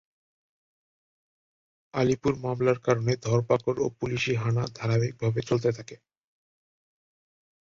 আলীপুর মামলার কারণে ধরপাকড় ও পুলিশি হানা ধারাবাহিকভাবে চলতে থাকে।